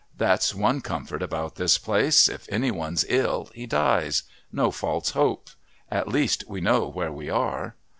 That's one comfort about this place. If any one's ill he dies. No false hopes. At least, we know where we are."